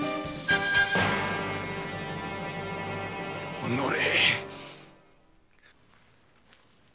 おのれ！